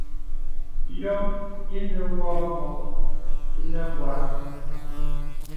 Yɔm inə̀ wǒ ǎ mǒ ìnə m̀bwarə̀ŋ.